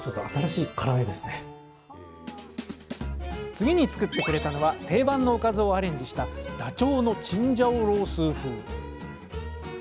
次に作ってくれたのは定番のおかずをアレンジしたダチョウのチンジャオロースー風。